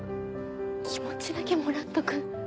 気持ちだけもらっとく。